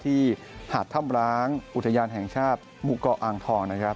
หาดถ้ำร้างอุทยานแห่งชาติหมู่เกาะอ่างทองนะครับ